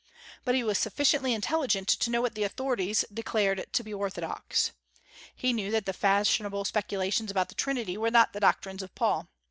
But he was sufficiently intelligent to know what the authorities declared to be orthodox. He knew that the fashionable speculations about the Trinity were not the doctrines of Paul.